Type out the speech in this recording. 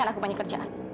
karena aku banyak kerjaan